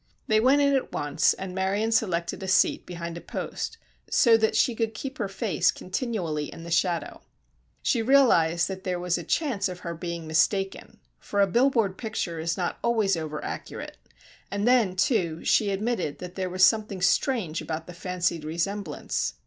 They went in at once and Marion selected a seat behind a post, so that she could keep her face continually in the shadow. She realized that there was a chance of her being mistaken, for a bill board picture is not always over accurate, and then, too, she admitted that there was something strange about the fancied resemblance.